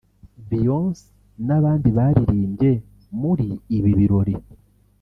Beyonce n’abandi baririmbye muri ibi birori